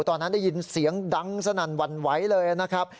ตอนนั้นได้ยินเสียงดังสนั่นหวั่นไหวเลยนะครับ